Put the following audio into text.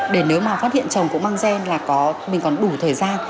để nếu mà phát hiện chồng cũng mang gen là mình còn đủ thời gian